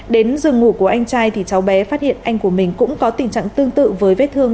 đến giường ngủ của anh trai thì cháu bé phát hiện anh của mình cũng có tình trạng tương tự với vết thương